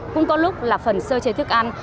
cũng có lúc là phần sơ chế thức ăn